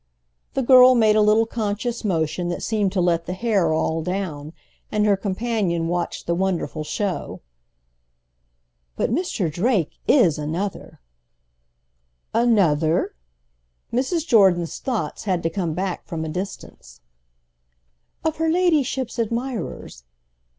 The girl made a little conscious motion that seemed to let the hair all down, and her companion watched the wonderful show. "But Mr. Drake is another—?" "Another?"—Mrs. Jordan's thoughts had to come back from a distance. "Of her ladyship's admirers.